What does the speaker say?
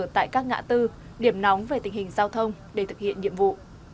tại các ngã tư điểm nóng về tình hình giao thông để thực hiện nhiệm vụ